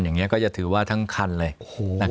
อย่างนี้ก็จะถือว่าทั้งคันเลย